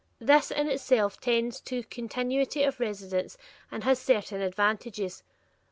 This in itself tends to continuity of residence and has certain advantages.